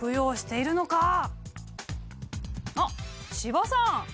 あっ芝さん。